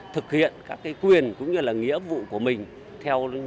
như sập rằn ráo tại công trình mường thanh hà nội ngày bốn tháng năm